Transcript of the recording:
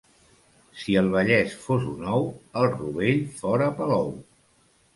Si el Vallès fos un ou, el rovell fora Palou.